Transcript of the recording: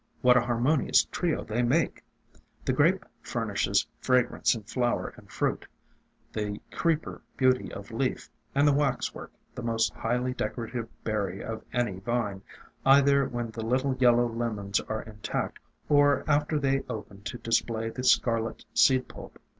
What an harmonious trio they make ! The Grape furnishes fragrance in flower and fruit, the Creeper beauty of leaf, and the Waxwork the most highly decorative berry of any vine, either when the little yellow lemons are intact or after they open to display the scarlet seed pulp.